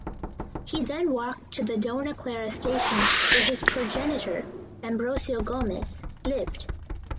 He then walked to the Dona Clara station where his progenitor Ambrosio Gomes lived.